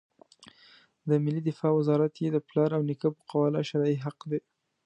د ملي دفاع وزارت یې د پلار او نیکه په قواله شرعي حق دی.